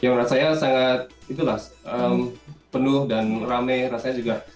yang rasanya sangat itulah penuh dan rame rasanya juga